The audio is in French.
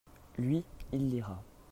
lui, il lira.